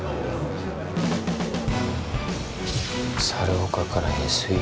猿岡からＳＵ。